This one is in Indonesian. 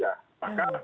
pada saat itu